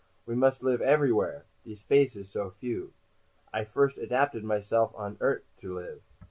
We must live everywhere, de space is so few. I first adapted myself on Eart' to live.